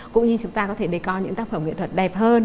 cũng như chúng ta có thể đề co những tác phẩm nghệ thuật đẹp hơn